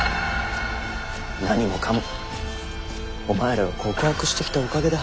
何もかもお前らが告白してきたおかげだ。